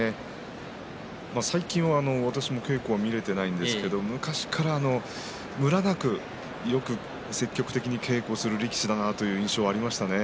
最近は私も稽古を見られていないんですけれど昔からムラなくよく積極的に稽古する力士だなという印象はありましたね。